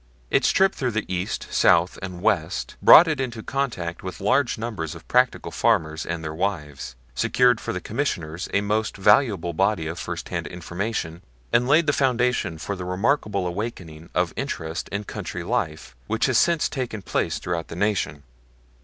Its trip through the East, South, and West brought it into contact with large numbers of practical farmers and their wives, secured for the Commissioners a most valuable body of first hand information, and laid the foundation for the remarkable awakening of interest in country life which has since taken place throughout the Nation.